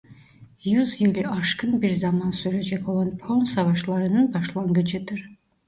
Yüzyılı aşkın bir zaman sürecek olan Pön Savaşları'nın başlangıcıdır.